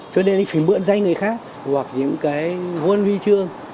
cho nên anh phải mượn danh người khác hoặc những cái huân huy chương